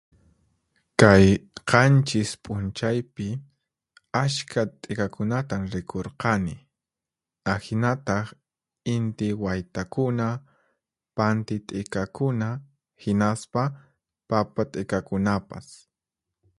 Kay qanchis p'unchaypi ashkha t'ikakunatan rikurqani, ahinataq inti waytakuna, panti t'ikakuna, hinaspa papa t'ikakunapas.